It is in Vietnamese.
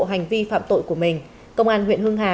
hành vi phạm tội của mình công an huyện hưng hà